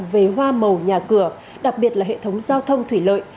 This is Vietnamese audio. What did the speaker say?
về hoa màu nhà cửa đặc biệt là hệ thống giao thông thủy lợi